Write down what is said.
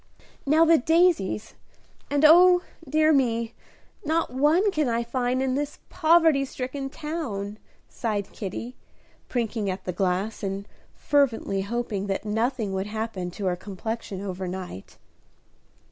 "Now the daisies; and oh, dear me, not one can I find in this poverty stricken town," sighed Kitty, prinking at the glass, and fervently hoping that nothing would happen to her complexion over night.